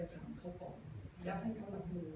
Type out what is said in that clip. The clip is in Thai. เดรกจะถามเขาบอกแล้วให้เขาดู